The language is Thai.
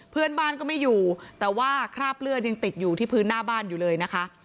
เพื่อนบ้านก็ไม่อยู่แต่ว่าคราบเลือดยังติดอยู่ที่พื้นหน้าบ้านอยู่เลยนะคะ